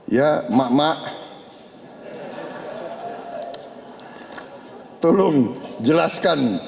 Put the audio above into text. ya emak emak tolong jelaskan